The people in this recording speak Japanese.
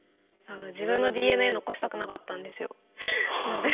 自分のＤＮＡ残したくなかったんですよ。